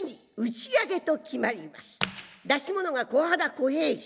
出し物が「小幡小平次」。